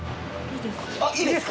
いいですか？